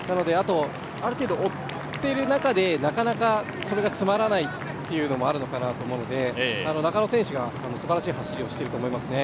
ある程度追っている中で、なかなかそれが詰まらないというのもあると思うので中野選手がすばらしい走りをしていると思いますね。